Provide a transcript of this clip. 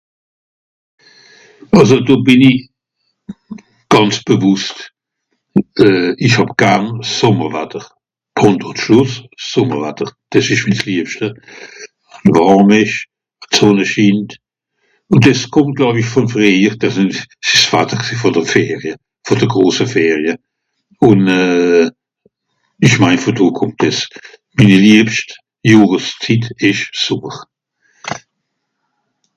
Àlso do bìn i gànz bewusst. Euh... ìch hàb garn Sùmmerwatter (...) Sùmmerwatter. Dìs ìsch mi s'liebschte, wàrm ìsch, d'Sùnne schint ùn dìs kùmmt glàw-ìch vùn frìehjer, dàs ìsch s'Watter gsìì vùn de Ferie, vùn de grose Ferie. Ùn euh... ìch mein vù do kùmmt dìs. Minni liebscht Johreszitt ìsch Sùmmer.